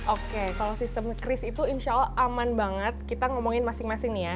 oke kalau sistem kris itu insya allah aman banget kita ngomongin masing masing nih ya